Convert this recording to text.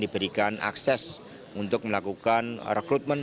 diberikan akses untuk melakukan rekrutmen